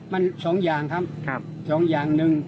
มันสองอย่างครับสองอย่างหนึ่ง